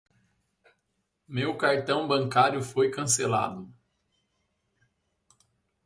Meu cartão bancário foi cancelado.